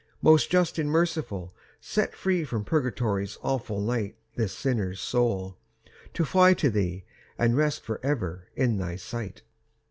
"Most Just and Merciful, set free From Purgatory's awful night This sinner's soul, to fly to Thee, And rest for ever in Thy sight."